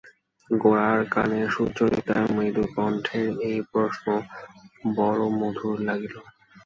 গোরার কানে সুচরিতার মৃদু কণ্ঠের এই প্রশ্ন বড়ো মধুর লাগিল।